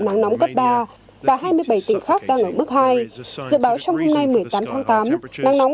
nắng nóng cấp ba và hai mươi bảy tỉnh khác đang ở mức hai dự báo trong hôm nay một mươi tám tháng tám nắng nóng